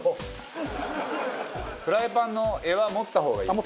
フライパンの柄は持った方がいい。